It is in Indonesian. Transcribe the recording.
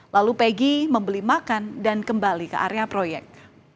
lalu peggy membeli makan dan kembali ke area proyek